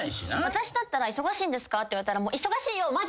私だったら「忙しいんですか？」って言われたら。